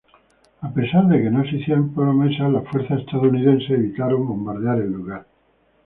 A pesar que no se hicieron promesas, las fuerzas estadounidenses evitaron bombardear el lugar.